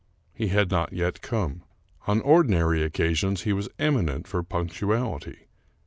He had not yet come. On ordi nary occasions he was eminent for punctuality.